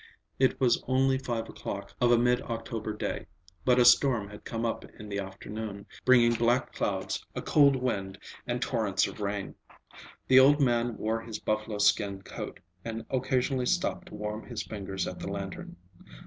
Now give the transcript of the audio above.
It was only five o'clock of a mid October day, but a storm had come up in the afternoon, bringing black clouds, a cold wind and torrents of rain. The old man wore his buffalo skin coat, and occasionally stopped to warm his fingers at the lantern.